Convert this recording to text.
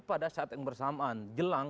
pada saat yang bersamaan jelang